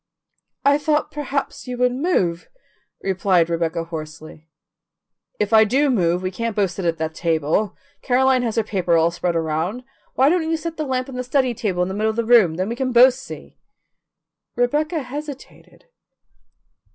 "I thought perhaps you would move," replied Rebecca hoarsely. "If I do move, we can't both sit at that table. Caroline has her paper all spread around. Why don't you set the lamp on the study table in the middle of the room, then we can both see?" Rebecca hesitated.